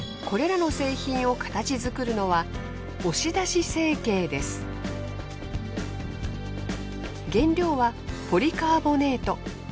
これらの製品を形作るのは原料はポリカーボネート。